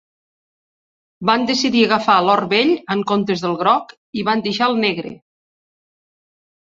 Van decidir agafar l'or vell en comptes del groc, i van deixar el negre.